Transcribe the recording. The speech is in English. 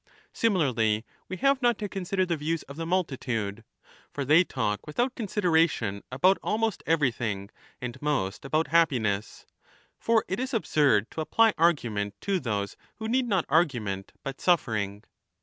Similarly we have not to consider the views of the multitude (for they 1215* talk without consideration about almost everything, and most about happiness) ; for it is absurd to apply argument to those who need not argument but suffering.